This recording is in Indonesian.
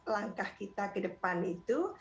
langkah kita ke depan itu